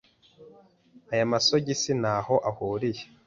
Aya masogisi ntaho ahuriye.